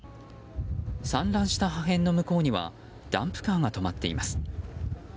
散乱した破片の向こうにはダンプカーが止まっています。